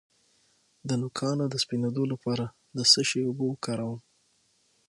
د نوکانو د سپینیدو لپاره د څه شي اوبه وکاروم؟